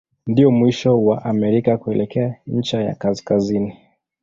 Ndio mwisho wa Amerika kuelekea ncha ya kaskazini.